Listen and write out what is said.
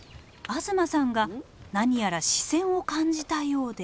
東さんが何やら視線を感じたようで。